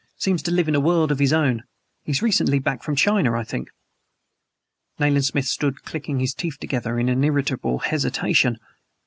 Seems to live in a world of his own. He's recently back from China, I think." Nayland Smith stood clicking his teeth together in irritable hesitation.